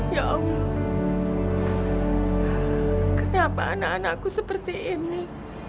ya allah kenapa anak anakku seperti ini